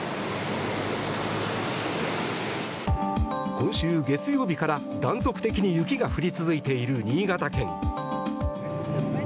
今週月曜日から断続的に雪が降り続いている新潟県。